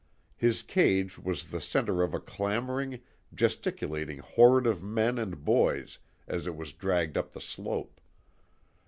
His cage was the centre of a clamouring, gesticulating horde of men and boys as it was dragged up the slope.